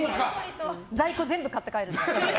在庫全部買って帰るんで。